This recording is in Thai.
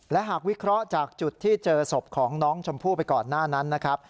และหากวิเคราะห์จากจุดที่เจอศพของน้องชมพู่ไปก่อนหน้านั้นนะครับ